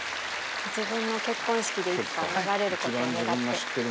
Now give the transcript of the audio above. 自分の結婚式でいつか流れることを願って。